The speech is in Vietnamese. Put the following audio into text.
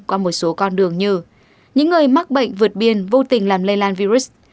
qua một số con đường như những người mắc bệnh vượt biên vô tình làm lây lan virus